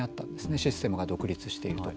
システムが独立しているとか。